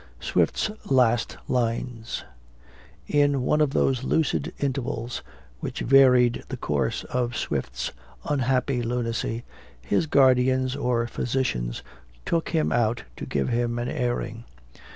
SWIFT'S LAST LINES. In one of those lucid intervals which varied the course of Swift's unhappy lunacy, his guardians or physicians took him out to give him an airing.